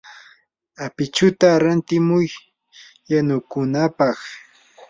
apichuta rantimuy yanukunapaq.